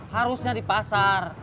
harusnya di pasar